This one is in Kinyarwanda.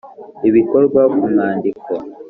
ibikorwa ku mwandiko